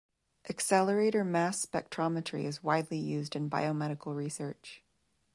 Accelerator mass spectrometry is widely used in biomedical research.